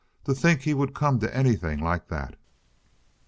"To think he would come to anything like that!"